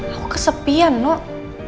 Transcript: aku kesepian noh